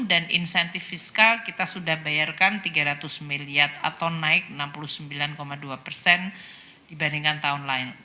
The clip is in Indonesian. dan insentif fiskal kita sudah bayarkan rp tiga ratus miliar atau naik rp enam puluh sembilan dua dibandingkan tahun lain